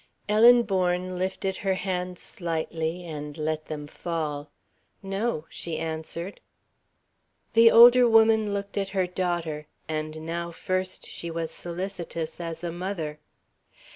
Ellen Bourne lifted her hands slightly and let them fall. "No," she answered. The older woman looked at her daughter, and now first she was solicitous, as a mother.